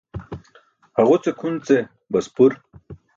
Haġuce kʰun ce baspur.